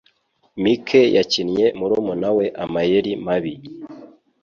Mike yakinnye murumuna we amayeri mabi.